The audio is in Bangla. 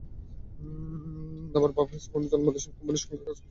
আবার বাপেক্সের কোনো জনবল এসব কোম্পানির সঙ্গে কাজ করারও সুযোগ পায় না।